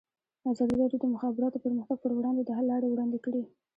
ازادي راډیو د د مخابراتو پرمختګ پر وړاندې د حل لارې وړاندې کړي.